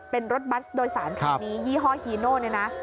เป็นรถบัสโดยสารคันนี้ยี่ห้อฮีโน่เนี่ยนะ